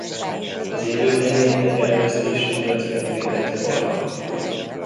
Az élőhelyeinek elvesztése miatt fenyegetett faj.